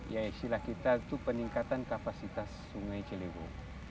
ya istilah kita itu peningkatan kapasitas sungai ciliwung